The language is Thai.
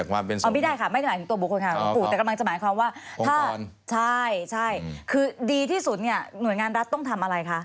วันตอนใช่คือดีที่สุดเนี่ยหน่วยงานรัฐต้องทำอะไรคะ